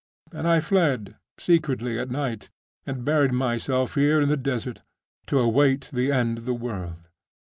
And I fled secretly at night, and buried myself here in the desert, to await the end of the world.